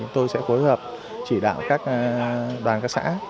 chúng tôi sẽ phối hợp chỉ đạo các đoàn các xã